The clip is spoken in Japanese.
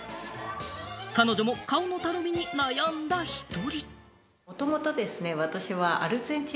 彼女も顔のたるみに悩んだ一人。